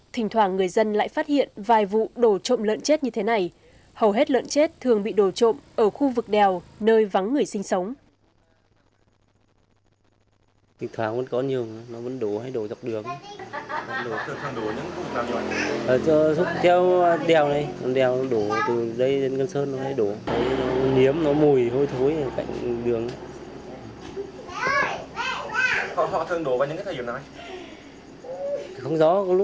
thỉnh thoảng người dân lại phát hiện vài vụ đổ trộm lợn chết như thế này hầu hết lợn chết thường bị đổ trộm ở khu vực đèo nơi vắng người sinh sống